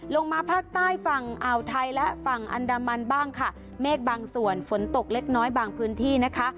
ลงมาภาคใต้ฝั่งอ่าวไทยและฝั่งอันดามันบ้างค่ะเมฆบางส่วนฝนตกเล็กน้อยบางพื้นที่นะคะ